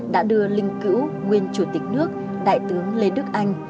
đã đưa linh cữu nguyên chủ tịch nước đại tướng lê đức anh